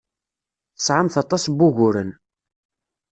Tesɛamt aṭas n wuguren.